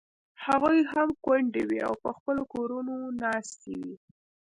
هغوی هم کونډې وې او په خپلو کورونو ناستې وې.